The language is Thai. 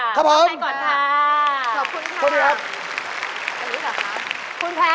ขอบคุณครับขอบคุณนะคะขอบคุณครับ